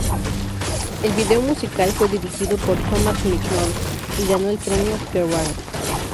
El video musical fue dirigido por Thomas Mignone y ganó el premio Kerrang!